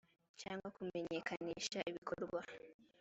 cyangwa kumenyekanisha ibikorwa